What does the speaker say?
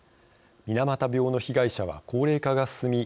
水俣病の被害者は高齢化が進み